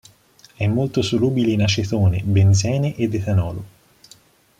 È molto solubile in acetone, benzene ed etanolo.